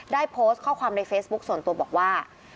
ได้โพสต์ข้อความในเฟซบุ๊คส่วนตัวบอกว่า